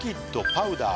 パウダー。